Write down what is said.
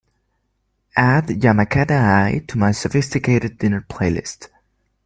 add Yamataka Eye to my sophisticated dinner playlist